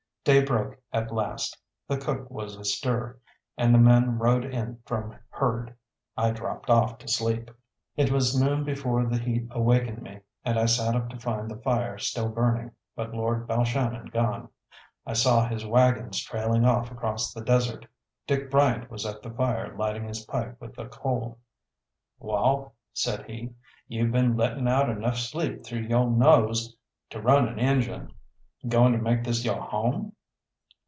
Day broke at last, the cook was astir, and the men rode in from herd. I dropped off to sleep. It was noon before the heat awakened me, and I sat up to find the fire still burning, but Lord Balshannon gone. I saw his waggons trailing off across the desert. Dick Bryant was at the fire lighting his pipe with a coal. "Wall," said he, "you've been letting out enough sleep through yo' nose to run an engine. Goin' to make this yo' home?"